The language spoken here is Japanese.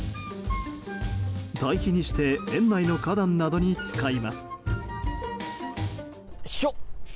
堆肥にして園内の花壇などに使います。